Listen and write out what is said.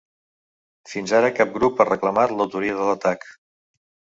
Fins ara cap grup ha reclamat l’autoria de l’atac.